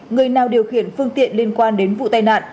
người nào điều khiển phương tiện liên quan đến vụ tai nạn